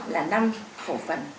là năm khẩu phần